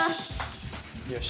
よし。